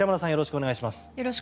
よろしくお願いします。